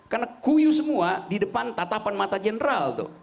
karena kuyuh semua di depan tatapan mata general tuh